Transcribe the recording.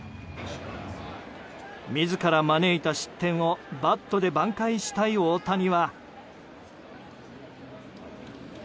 自ら招いた失点をバットで挽回したい大谷は。